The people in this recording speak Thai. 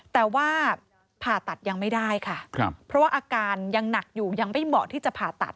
แต่ว่าผ่าตัดยังไม่ได้ค่ะเพราะว่าอาการยังหนักอยู่ยังไม่เหมาะที่จะผ่าตัด